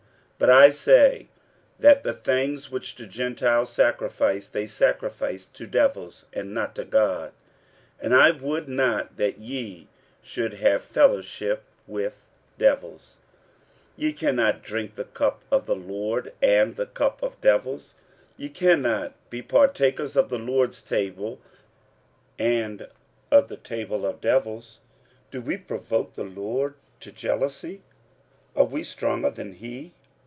46:010:020 But I say, that the things which the Gentiles sacrifice, they sacrifice to devils, and not to God: and I would not that ye should have fellowship with devils. 46:010:021 Ye cannot drink the cup of the Lord, and the cup of devils: ye cannot be partakers of the Lord's table, and of the table of devils. 46:010:022 Do we provoke the Lord to jealousy? are we stronger than he?